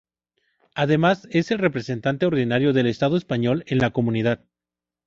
Además es el representante ordinario del estado español en la comunidad.